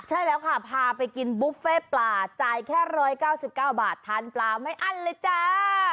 ใช่แล้วค่ะพาไปกินบุฟเฟ่ปลาจ่ายแค่๑๙๙บาททานปลาไม่อั้นเลยจ้า